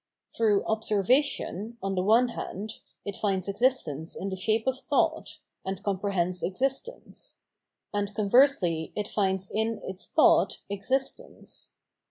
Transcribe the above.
Through " observation," on the one hand, it finds existence in the shape of thought, and comprehends existence ; and, conversely, it finds in its thought existence.